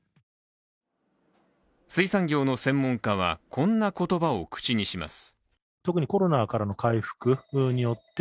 水産業の専門家は、こんな言葉を口にします。